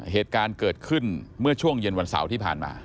เหตุการณ์เกิดขึ้นเมื่อช่วงเย็นวันเสาร์ที่ผ่านมา